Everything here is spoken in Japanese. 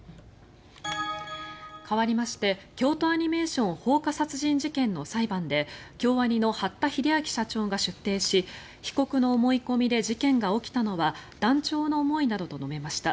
かわりまして京都アニメーション放火殺人事件の裁判で京アニの八田英明社長が出廷し被告の思い込みで事件が起きたのは断腸の思いなどと述べました。